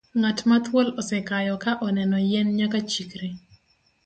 Ng'at ma thuol osekayo ka oneno yien nyaka chikre.